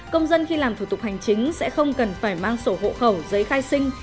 công dân khi làm thủ tục hành chính sẽ không cần phải mang sổ hộ khẩu giấy khai sinh